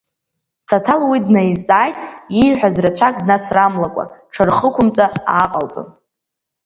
Ҭаҭал уи днаизҵааит, ииҳәаз рацәак днацрамлакәа, ҽырхықәымҵа ааҟалҵан.